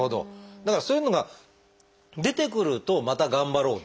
だからそういうのが出てくるとまた頑張ろうっていうね。